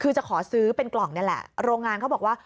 คือจะขอซื้อเป็นกล่องนี่แหละโรงงานเขาบอกว่า